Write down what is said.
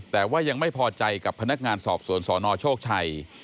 แต่ว่ายังไม่พอใจกับพนักงานสอบสวนสนโชคชัย